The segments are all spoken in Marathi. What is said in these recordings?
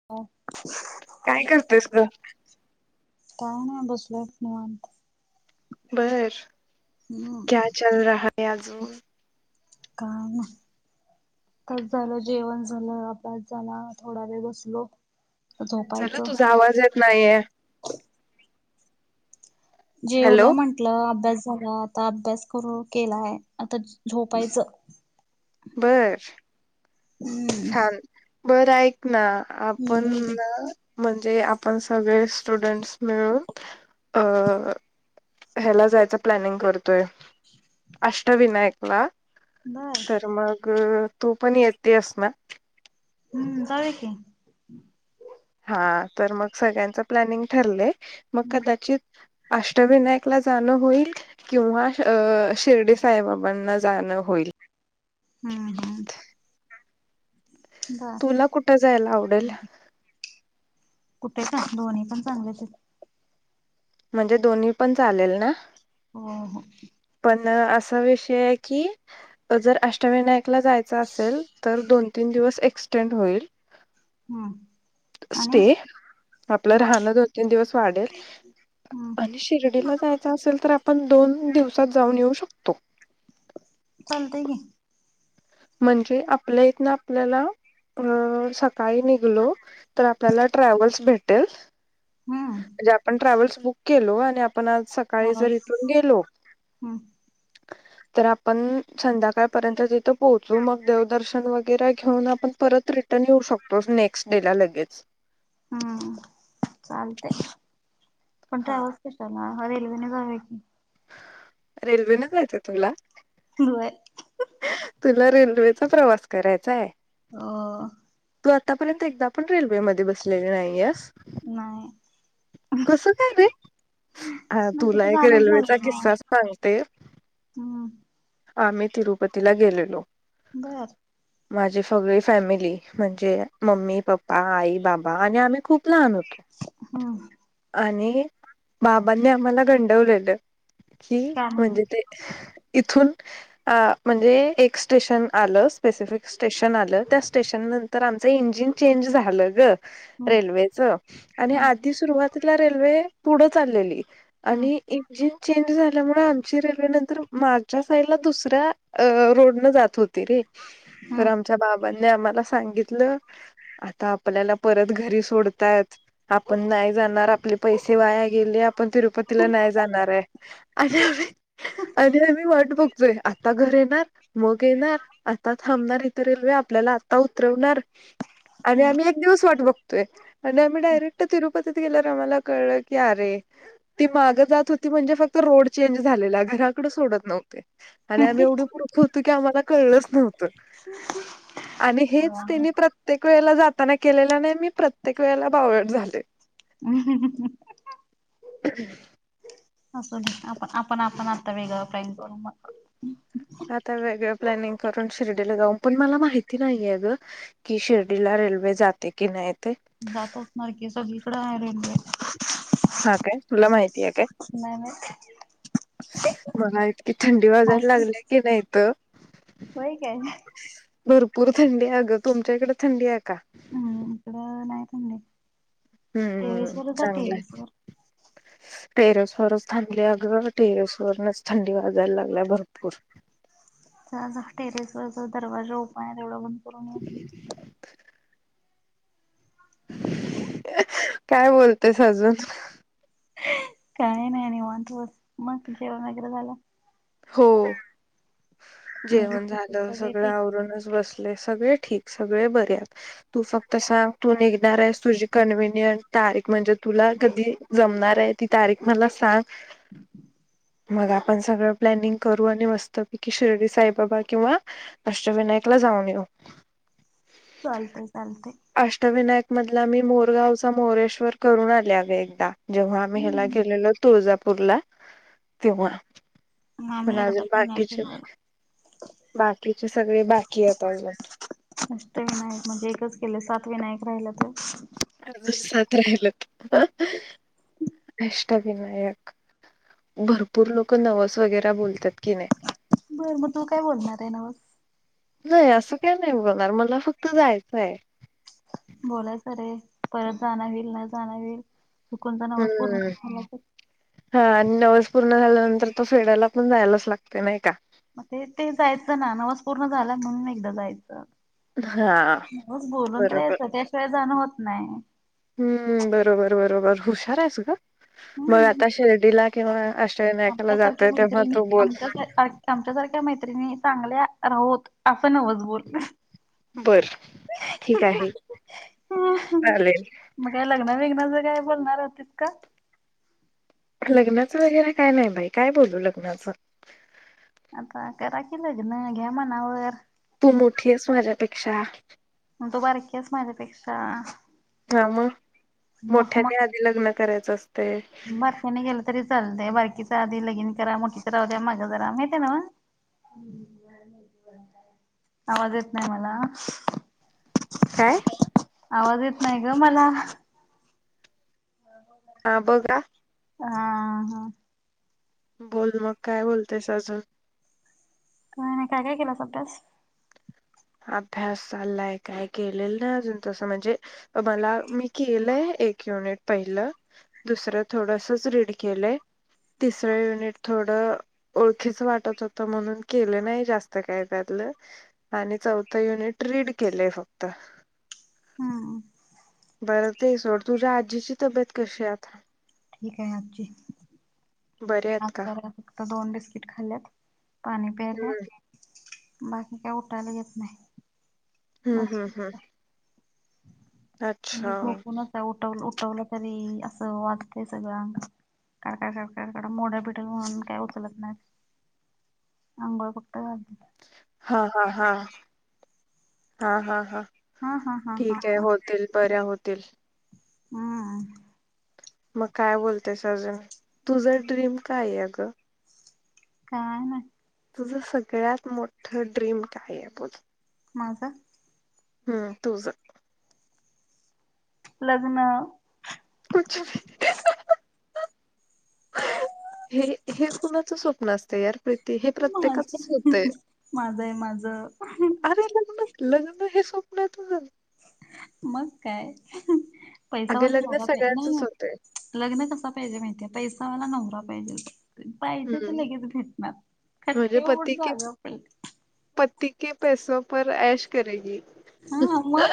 ह काय करतोयस गं काय नाही बसलो निवांत बर क्या हम्म चल रहा हे आजून काम चल झालं जेवण झालं अभ्यास झाला थोडा वेळ बसलो झालं झोपायचं तुझा आवाज येत नाहीये जेवलो हॅलो म्हण आपला अभ्यास झाला आता अभ्यास करून केलाय आता झोपायचं बरं हम्म बरं ऐक ना आपण बोलते म्हणजे आपण सगळे स्टुडंट्स मिळून अ ह्याला जायच प्लॅनिंग करतोय अष्टविनायक ला बर तर मग तू पण एकटी असणार हम्म चालेल की हा तर मग सगळ्यांच प्लॅनिंग ठरलंय मग कदाचित अष्टविनायकला जाणं होईल किंवा अ शिर्डी साईबाबांना जाणं होईल हम्म, हम बर तुला कुठं जायला आवडेल कुठे का दोन्ही पण चांगल्या म्हणजे दोन्हीपण चालेल ना हो, हो पण असा विषय आहे की जर अष्टविनायक जायच असेल तर दोन तीन दिवस एक्सटेंड होईल हम्म आणि स्टे आपलं बर राहणं दोन, तीन दिवस वाढल हम्म आणि शिर्डीला जायच असेल तर आपण दोन दिवसात जाऊन येऊ शकतो चालतंय की म्हणजे आपल्या इथ ना आपल्याला अ सकाळी निघलो तर आपल्याला ट्रॅव्हल्स भेटल हम्म म्हणजे आपण ट्रॅव्हल्स बुक केलो आणि आपण आज स सकाळी हम्म जर इथून गेलो तर आपण संध्याकाळपर्यंत तिथे पोहोचू मग देवदर्शन वगैरे घेऊन आपण परत रिटर्न येऊ शकतो नेक्स्ट डे ला लगेच हम्म चालतय पण हा. ट्रॅव्हल्स चला मग रेल्वेने जाऊया की रेल्वे न जायचं तुला होय तुला रेल्वेचा प्रवास करायचा आहे हो तू आतापर्यंत एकदा पण रेल्वेमध्ये बसलेले नाहीयास नाय कस काय बे हा नाही तुला कुठे एक जाणच रेल्वेचा झालं नाही किस्सा सांगते हम्म आम्ही तिरुपतीला गेलेलो बरं माझी सगळी फॅमिली म्हणजे मम्मी, पप्पा, आई, बाबा आणि आम्ही खूप लहान होतो हा आणि बाबांनी आम्हाला गंडवलेलं कि काय म्हणून म्हणजे ते इथून म्हणजे एक स्टेशन आलं स्पेसिफिक स्टेशन आलं त्या स्टेशन तर आमचं इंजिन चेंज झालं ग हम्म रेल्वेच आणि आधी सुरुवातीला रेल्वे पुढं चाललेली हम्म आणि इंजिन चेंज झाल्यामुळे जी रेल्वे नंतर माझ्या साईड ला दुसऱ्या रोड न जात होती रे तर हम्म आमच्या बाबांनी आम्हाला सांगितलं आता आपल्याला परत घरी सोडतयात पण नाही जाणार आपले पैसे वाया गेले आपण तिरुपतीला नाही जाणार आहे आणि आम्ही आणि आम्ही वाट बघतोय आता घर येणार मग येणार आता थांबणार इथ रेल्वे आपल्याला आता उतरवणार आणि आम्ही एक दिवस वाट बघतोय आणि आम्ही डायरेक्ट तिरुपतीत गेल्या आमला कळलं की अरे ती माग जात होती म्हणजे फक्त तर रोड चेंज झालेला, घराकड सोडत नव आणि आम्ही एवढी पुरख होतो, की आम्हाला कळच नव्हतं. आणि हेच त्यांनी प्र ते कळल जात ना केलेला नाही, मी प्रत्येक वेळेला बावळट झाले. [unintelligible] असूदे आपण आपण आपण आता वेगळं प्लॅन करू मग. आता वेगळं प्लॅनिंग करून, शिर्डीला जाऊन पण मला माहिती नाहीये अ गं. कि शिर्डीला रेल्वे, जाते कि नाही ते. जात असणार की, सगळीकडे आहे रेल्वे. हा काय, तुला माहिती काय? नाही. मला इतकी थंडी वाजायला माहित नाही लागली कणी इथं. होय काय. भरपूर थंडी आहे आगं, तुमच्या इकडे थंडी आहे का. हम इकड नाही थंडी, हम्म टेरेस वर चा चांगलंय टेरेसवर. टेरेस वरच थांबली अगं, टेरेस वरनच थंडी वाजायला लागल्या भरपूर. हां, जा टेरेस वर जा दरवाजा ओपन आहे तेवढा बंद करून ये. काय बोलतेस अजून. काय नाही निवांत बग, मग जेवण वगैरे झालं. हो. घरी जेवण कसे झालं सगळे सगळं ठीक आवरूनच बसले, सगळे ठीक सगळे बरेत. तू फक्त सांग तू निघणार आहेस, तुझी कन्व्हनियंट तारीख म्हणजे तुला कधी. जमणार आहे, ती तारीख मला सांग. मग आपण सगळं प्लॅनिंग करू आणि मस्त. शिर्डी साईबाबा किंवा, अष्टविनायकला जाऊन येऊ. चालतंय चालतंय. अष्टविनायक मधला मी, मोरगावचा मोरेश्वर करून आले अगं एकदा. जेव्हा आम्ही ह्याला गेलेलो तुळजापूरला तेव्हा. मामी एकदा पण नाही. चल फिरलो बाकीचे सगळे, बाकी येत अजून. अष्टविनायक म्हणजे, एकच केले सात विनायक राहिलंत. अजून [unintelligible] अष्टविनायक. भरपूर लोकं नवस वगैरा बोलतात की नाही. बर मग तू काय बोलणार आहे नवस. नाही असं काय नाही, बोलणार मला फक्त जायचं आहे. बोलायचं रे, परत जाण होईल न जाण होईल, चुकून ते नवस पूर्ण हम्म झा हा आणि नवस पूर्ण झाल्यानंतर, तो फेडायला पण जायलाच लागते नाही का. मग ते ते जायचं ना नवस पूर्ण झालं, म्हणून एकदा जायचं. हा बोलून तर बरोबर बग त्याशिवाय जाण होत नाही. हम्म, बरोबर बरोबर हुशार आहेस गं. मग हम्म आता शिर्डीला किंवा, अष्टविनायकला आमच्यासारख्या जाता तेव्हा मैत्रिणी तो बोल. आमच्या सारख्या मैत्रिणी चांगल्या राहोत असं नवच बोल. बरं ठीक, आहे चालेल. मग का लग्न विघ्नांच काय बोलणार होतीस का. लग्नाचं वगैरे काय नाही बाई, काय बोलू लग्नाचं. आता करा की, लग्न घ्या मनावर. तू मोठी आहेस माझ्यापेक्षा. मग तू बारकी आहेस माझ्यापेक्षा. हा, मग मोठ्याच्या आधी लग्न करायचं असते. बारफ्याने गेलं तरी चालतंय, बारकीच आधी लगिन करा. मोठीच राहूद्या माग जरा माहितय नवं. आवाज येत नाही मला. काय? आवाज येत नाही ग मला. हां बघा हा हा हा बोल मग काय बोलतेस अजून. का नाही काय काय केलास अभ्यास? अभ्यास चाललाय काय केलेलं नाही अजून तसं म्हणजे. मला मी केलंय एक युनिट पहिलं. दुसर थोडस रीड केलंय तिसर युनिट थोड आ ओळखीच वाटत होत म्हणून केलं नाही जास्त काय त्यातलं आणि चौथं युनिट रीड केलेय फक्त हंम बरं ते सोड तुझ्या आजीची तब्येत कशी आहे आता? ठीक आहे आजी. बरे आहेत का म्हाताऱ्यान दोन बिस्किट खाल्ल्यात पाणी पियल्या. हम्म बाकी काय उठायला येत नाही. हम् हम बसूनच हम आहे म्हणजे झोपूनच उठव उठवलं तरी असं वाजतंय सगळ्यां अंगात कडकड काड मोडल बिडाल म्हणून काय उचलत नाहीत. अंघोळ फक्त घालते हा.. हा.. हा हा.. हा हा हा हा हा ठीक आहे होतील बऱ्या होतील. हम् मग काय बोलतेस अजून तुझं ड्रीम काय आहे? अगं काय नाय तुझं सगळ्यात मोठं ड्रीम काय आहे बोल? माझं ह तुझ लग्नं हे हे कुणाचं स्वप्न स्वप्न असते यार ते माझं... माझं आहे माझं अरे पण लग्न लग्न हे स्वप्न तुझं. मग काय अगं पैसावाला लग्न नवरा पा सगळ्याचंच होतंय. लग्न कसा पाहिजे माहितीय पैसावाला नवरा पाहिजे. पाहिजे ते हं. लगेच भेटणार म्हणजे खटक्यावर पती बोट के जाग्यावर पलटी [unintelligible] हा..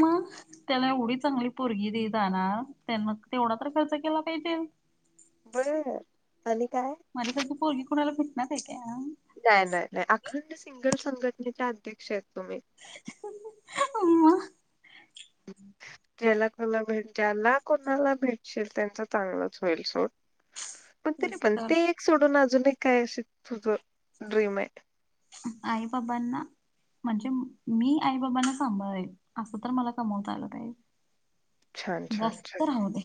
मग त्याला एवढी चांगली पोरगी दयायला जाणार त्याने तेवढा तर खर्च केला पाहिजे. बरं [unintelligible] आणि काय माझ्यासारखी पोरगी कुणाला भेटणार आहे का? नाही नाही नाही अखंड सिंगल संघटनेचे अध्यक्ष आहेत तुम्ही अमा ज्याला कला भेट ज्याला कोणाला भेटशील त्यांच चांगलंच होईल सोड. पण ते नाही तेच पण तर ते एक सोडून अजूनही काय अ तुझं ड्रीम आहे. आई बाबांना म्हणजे मी आई बाबांना सांभाळेल असं तर मला कमवता आलं पाहिजे. छान, छान, छान. जास्त राहू दे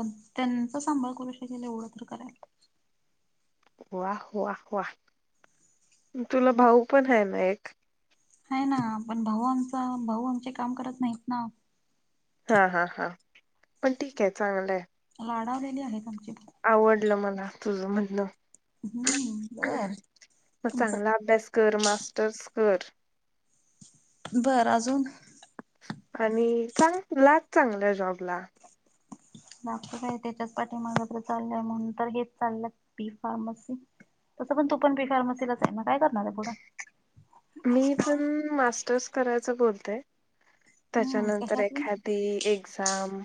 पण त्यांचा सांभाळ करू शकेल एवढं तर करायला वाह वाह वाह तुला भाऊ पण आहे ना एक. ह ना पण भाऊ आमचा भाऊ आमचे काम करत नाहीत ना. हां हां हां पण ठीक आहे चांगलंय. लाडावलेली आहेत आमची. आवडलं मला तुझ म्हणण हम्म बर मग तुमचं चांगला अभ्यास. कर मास्टर्स कर. बरं अजून. आणि चांग लाग चांगल्या जॉबला. माग त काय त्याच्याच पाठी मगात्र चाललंय म्हणून तर घेत चाललं बी फार्मसी. तसं पण तू पण पी फार्मसीच आहे ना काय करणार आहे पुढं. मी पण मास्टर्स करायच बोलते हम्म त्याच्यानंतर कशातून एखाद. ती एक्झाम.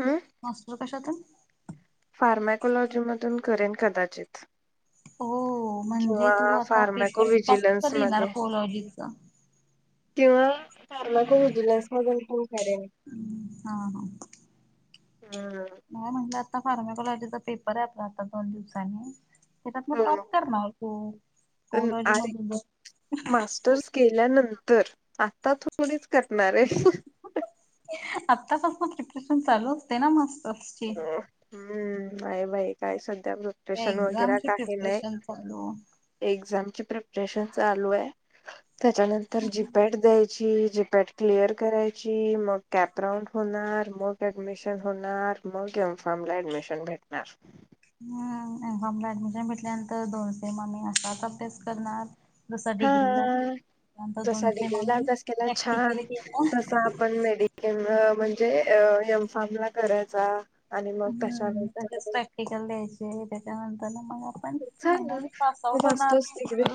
हम्म. मास्टर्स कशातून. फार्माकोलॉजीमधून करेन कदाचित. हो म्हणजे किंवा तू आता फार्मॅको पेपर टप्प व्हिजिलन्स लिणार मध्ये कॉलॉजीचा. किंवा कारला को उजल्यास मज कोण करेल. हा हा हम्. नाही म्हणलं आता फार्मकॉलॉजीचा पेपर आहे आपला आता दोन दिवसानी. त्याच्यात मग हो टॉप करणार त कोलॉजी मधून ज. तोस केल्यानंतर आता थोडीच करणार आहे. आत्तापासून मग प्रिपरेशन चालू असते ना मास्टर्स ची. हम्म बाय बाई काय सध्या मृत्- एक्झामची प्रिपरेशन चालू. एक्झाम ची प्रिपरेशन चालू आहे त्याच्यानंतर जीपॅट द्याय- ची जपॅट क्लिअर करायची मग कॅप राऊंड होणार मग ऍडमिशन होणार. मग एम फार्म ला ऍडमिशन भेटणार. हम एमफॉमला ऍडमिशन भेटल्यानंतर दोन सेम आम्ही असा अभ्यास करणार. दुसरा डिग्री लागेल. हा त्यानंतर जसा दोन सेम डिग्रीला आम्ही अभ्यास केला प्रॅक्टिकली केला. किंवा म्हणजे अ एम फार्म ला करायचा आणि मग त्याच्यानंतर. टिकल द्यायचे त्याच्यानंतर ना मग अप- पण झालं म्हणली पास मग आउट होणार. मास्टर्स डिग्री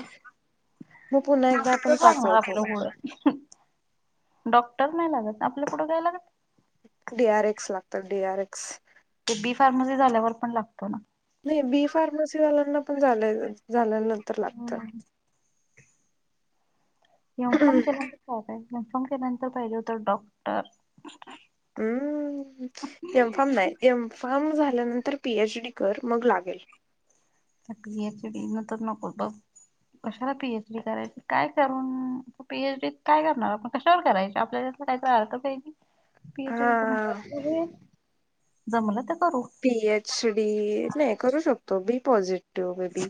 मग पुन्हा एकदा आपण ांग पास आउट होऊ. आपलं गडं. [unintelligible] अ हं डॉक्टर नाही लागत आपल्या कुढं काय लागत. डी आर एक्स लागतात डी आर एक्स. ते बी फार्मसी झाल्यावर पण लागतो ना. नाही बी फार्मसीवाल्यांना पण झाले झाल्यानंतर लागतं. इन्फॉर्म केल्यांतर काय पाहिजे इन्फॉर्म केल्यानंतर पाहिजे होत डॉक्टर. हम्म एक फॉर्म नाही एम - फर्म झाल्यानंतर पीएच डी कर मग लागेल. पी एच डी न तर नको बघ कशाला पी एच डी करायची काय करून. पीएच डीत काय करणार आपण कशावर कराय आपल्या कायच पच डी. पीएच हा करून, जमलं तर करू. पी एच डी नाही करू शकतो बी पॉझिटिव्ह बेबी.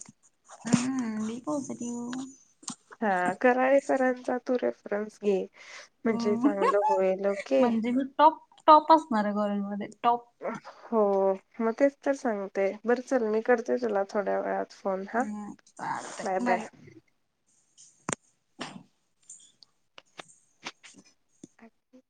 हम्म बी पॉझिटिव्ह. हा करा आणि सरांचा तू रेफरन्स घे. म्हणजे हम् चांगलं होईल ओके म्हणजे मी टॉप टॉप असणार आहे कॉलेज मध्ये टॉप. हो मग तेच तर सांगते बरं चल मी करते तूला थोड्या वेळात. फोन हा हम्म बाय बाय. चालतंय [inaudible] [unintelligible]